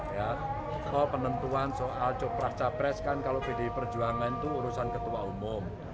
kalau penentuan soal coprah capres kan kalau pdi perjuangan itu urusan ketua umum